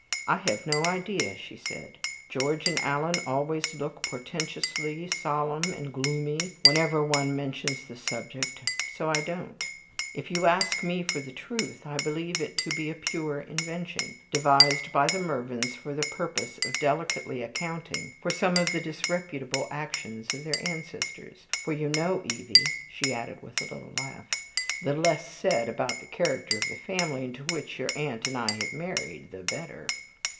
"I have no idea," she said. "George and Alan always look portentously solemn and gloomy whenever one mentions the subject, so I don't. If you ask me for the truth, I believe it to be a pure invention, devised by the Mervyns for the purpose of delicately accounting for some of the disreputable actions of their ancestors. For you know, Evie," she added, with a little laugh, "the less said about the character of the family into which your aunt and I have married the better."